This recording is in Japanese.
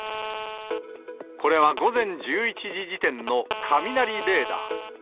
これは午前１１時時点の雷レーダー。